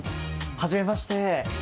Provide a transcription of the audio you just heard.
はじめまして。